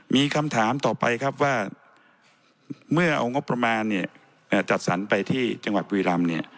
มีคำถามต่อไปว่าเมื่อองค์ประมาณจัดสรรไปที่จังหวัดปุรีรัมน์